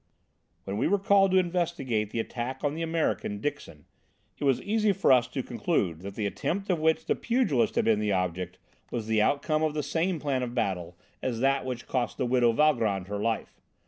"When we were called to investigate the attack on the American, Dixon, it was easy for us to conclude that the attempt of which the pugilist had been the object was the outcome of the same plan of battle as that which cost the widow Valgrand her life.